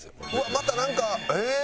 またなんかええー！